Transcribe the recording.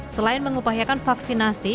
selain mengupahyakan vaksinasi